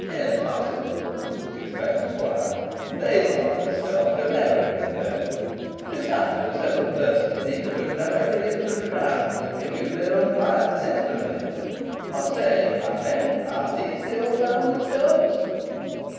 "Impossible!" exclaimed the squire; "these ponderous masses could never have been moved. Besides, there are several persons here who know every inch of the ground, and will give you their unbiassed testimony. What say you, my men? Are these the old boundary stones?"